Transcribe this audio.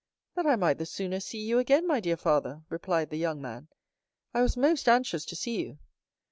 "That I might the sooner see you again, my dear father," replied the young man. "I was most anxious to see you."